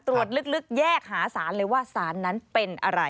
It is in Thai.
ตรวจลึกแยกหาสารเลยว่าสารนั้นเป็นอะไร